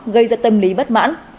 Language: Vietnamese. gây ra tâm lý bất mãn